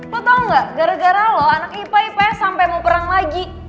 lo tau gak gara gara lo anak ipa ipa ya sampe mau perang lagi